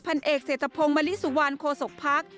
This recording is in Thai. เอกเศรษฐพงศ์มลิสุวรรณโคศกภักดิ์